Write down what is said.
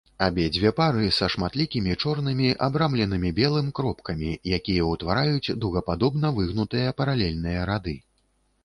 Абедзве пары са шматлікімі чорнымі абрамленымі белым кропкамі, якія ўтвараюць дугападобна выгнутыя паралельныя рады.